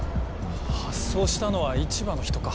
発送したのは市場の人か。